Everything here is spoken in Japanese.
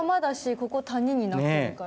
ここ谷になってるから。